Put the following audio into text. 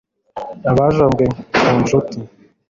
abajombwe ku nsuti